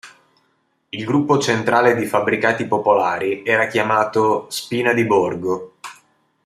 Il gruppo centrale di fabbricati popolari era chiamato "Spina di Borgo".